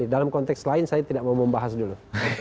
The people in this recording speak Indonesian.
dalam konteks lain saya tidak mau membahas dulu